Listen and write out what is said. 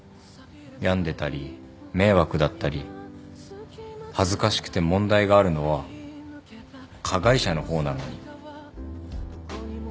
病んでたり迷惑だったり恥ずかしくて問題があるのは加害者の方なのに。